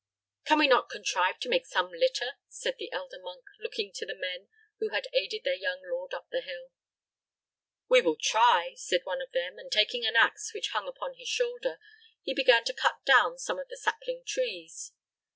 "Can we not contrive to make some litter?" said the elder monk, looking to the men who had aided their young lord up the hill. "We will try," said one of them; and taking an ax which hung upon his shoulder, he began to cut down some of the sapling trees.